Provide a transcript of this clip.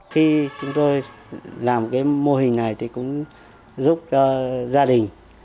khi chúng tôi làm cái mô hình này thì cũng giúp cho gia đình